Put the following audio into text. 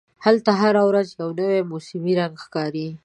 هلته هره ورځ یو نوی موسمي رنګ ښکاري.